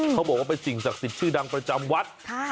เขาบอกว่าเป็นสิ่งศักดิ์สิทธิ์ชื่อดังประจำวัด